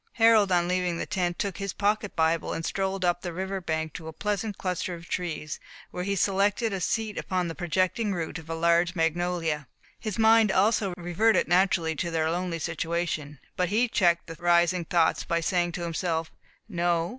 Harold, on leaving the tent, took his pocket Bible and strolled up the river bank, to a pleasant cluster of trees, where he selected a seat upon the projecting root of a large magnolia. His mind also reverted naturally to their lonely situation; but he checked the rising thoughts, by saying to himself, "No.